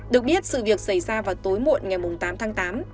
được biết sự việc xảy ra vào tối muộn ngày tám tháng tám